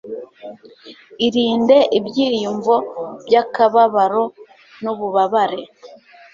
irinde ibyiyumvo by'akababaro n'ububabare